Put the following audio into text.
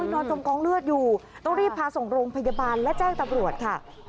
นอนจมกองเลือดอยู่ต้องรีบพาส่งโรงพยาบาลและแจ้งตำรวจค่ะ